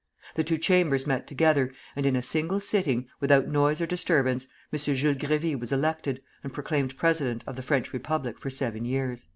The two Chambers met together, and in a single sitting, without noise or disturbance, M. Jules Grévy was elected, and proclaimed president of the French Republic for seven years."